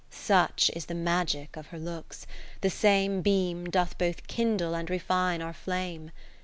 Such is the magic of her looks, the same Beam doth both kindle and refine our flame.